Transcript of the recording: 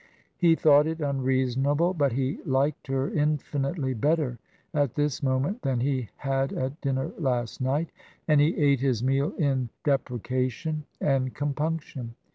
He thought it unreasonable, but he liked her infinitely better at this moment than he had at dinner last night ; and he ate his meal in deprecation and com punction.